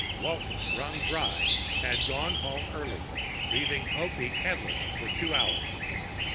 Walton, wrung dry, had gone home early, leaving Popeek headless for two hours.